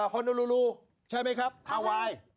ฮอนาลูลูใช่ไหมครับคาวาย